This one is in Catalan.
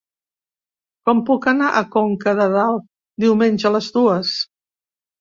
Com puc anar a Conca de Dalt diumenge a les dues?